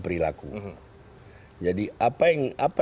perilaku jadi apa